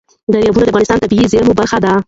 دریابونه د افغانستان د طبیعي زیرمو برخه ده.